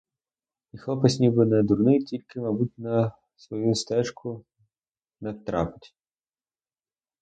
І хлопець ніби не дурний, тільки, мабуть, на свою стежку не втрапить.